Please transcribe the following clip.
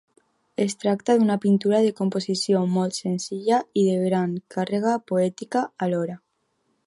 Es tracta d'una pintura de composició molt senzilla i de gran càrrega poètica alhora.